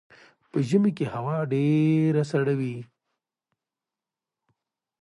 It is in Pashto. په ژمي کې هوا ډیره سړه وي